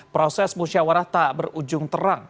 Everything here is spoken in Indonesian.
proses musyawarah tak berujung terang